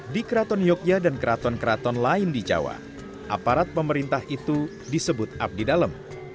di keraton yogyakarta dan keraton keraton lain di jawa aparat pemerintah itu disebut abdi dalam